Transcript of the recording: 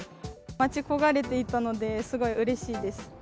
待ち焦がれていたので、すごいうれしいです。